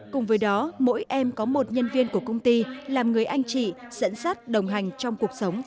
cùng với đó mỗi em có một nhân viên của công ty làm người anh chị dẫn dắt đồng hành trong cuộc sống